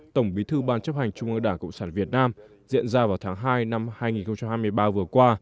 tổng bí thư ban chấp hành trung ương đảng cộng sản việt nam diễn ra vào tháng hai năm hai nghìn hai mươi ba vừa qua